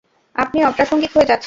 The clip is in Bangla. আপনি অপ্রাসঙ্গিক হয়ে যাচ্ছেন।